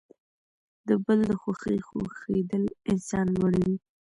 د بل د خوښۍ خوښیدل انسان لوړوي.